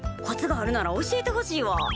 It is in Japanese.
コツがあるなら教えてほしいわ。